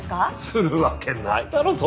するわけないだろそんな事。